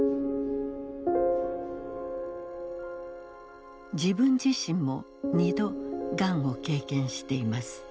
自分自身も２度がんを経験しています。